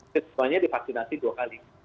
semuanya divaksinasi dua kali